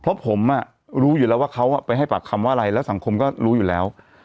เพราะผมรู้อยู่แล้วว่าเขาไปให้ปากคำว่าอะไรแล้วสังคมก็รู้อยู่แล้ว